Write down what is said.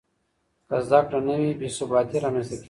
که زده کړه نه وي، بې ثباتي رامنځته کېږي.